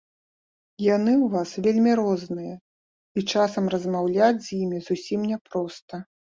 Яны ў нас вельмі розныя, і часам размаўляць з імі зусім не проста.